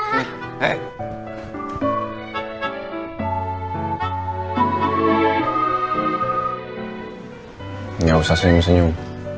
enggak usah senyum senyum